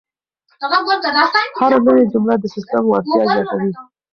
هره نوې جمله د سیسټم وړتیا زیاتوي.